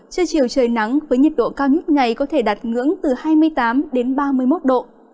trưa chiều trời nắng với nhiệt độ cao nhất ngày có thể đạt ngưỡng từ hai mươi tám đến ba mươi một độ